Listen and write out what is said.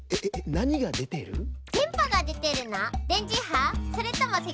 なにがでてるの？